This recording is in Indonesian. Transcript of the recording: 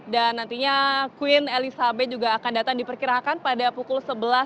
dan nantinya queen elizabeth juga akan datang diperkirakan pada pukul sebelas lima puluh dua